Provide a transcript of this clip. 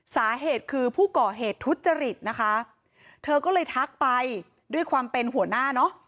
สาเหตุคือผู้ก่อเหตุทุจริตนะคะเธอก็เลยทักไปด้วยความเป็นหัวหน้าเนอะ